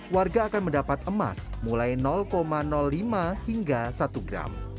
warga akan mendapat emas mulai lima hingga satu gram